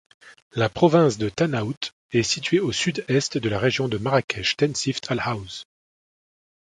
La province de Tahnaout est située au sud-est de la région de Marrakech-Tensift-Al Haouz.